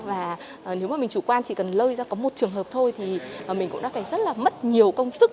và nếu mà mình chủ quan chỉ cần lơi ra có một trường hợp thôi thì mình cũng đã phải rất là mất nhiều công sức